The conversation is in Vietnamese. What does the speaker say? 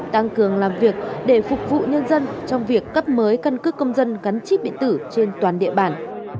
tăng cường làm việc để phục vụ nhân dân trong việc cấp mới căn cước công dân gắn chip điện tử trên toàn địa bàn